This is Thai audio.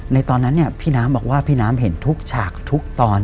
ในตอนนั้นพี่น้ำบอกว่าพี่น้ำเห็นทุกฉากทุกตอน